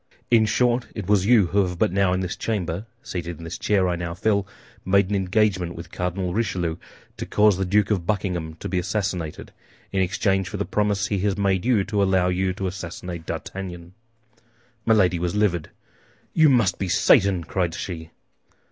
In short, it was you who have but now in this chamber, seated in this chair I now fill, made an engagement with Cardinal Richelieu to cause the Duke of Buckingham to be assassinated, in exchange for the promise he has made you to allow you to assassinate D'Artagnan." Milady was livid. "You must be Satan!" cried she.